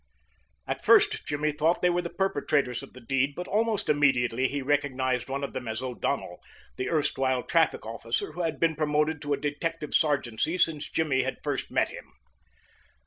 At first Jimmy thought they were the perpetrators of the deed, but almost immediately he recognized one of them as O'Donnell, the erstwhile traffic officer who had been promoted to a detective sergeancy since Jimmy had first met him.